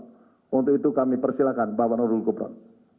setelah itu kami persilakan bapak nurul gubron